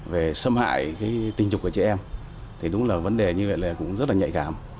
về xâm hại tình dục của trẻ em thì đúng là vấn đề như vậy là cũng rất là nhạy cảm